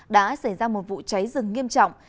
đã xảy ra một vụ cháy rừng nghiêm trọng